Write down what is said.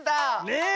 ねえ！